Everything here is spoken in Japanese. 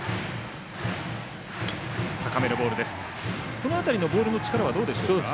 この辺りのボールの力はどうでしょうか。